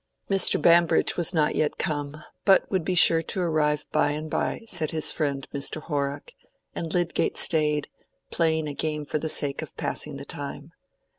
Mr. Bambridge was not yet come, but would be sure to arrive by and by, said his friend Mr. Horrock; and Lydgate stayed, playing a game for the sake of passing the time.